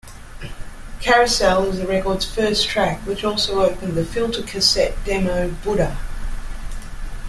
"Carousel" is the record's first track, which also opened the Filter cassette demo "Buddha".